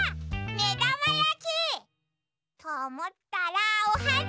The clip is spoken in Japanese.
めだまやき！とおもったらおはな！